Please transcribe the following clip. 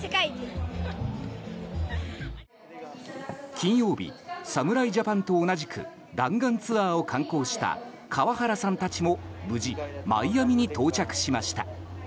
金曜日、侍ジャパンと同じく弾丸ツアーを敢行した河原さんたちも無事マイアミに到着しました。